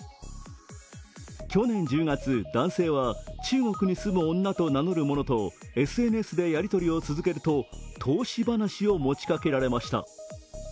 去年１０月、男性は中国に住む女と名乗る者とＳＮＳでやりとりを続けると、投資話を持ちかけられました。